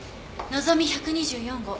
のぞみ１２４号。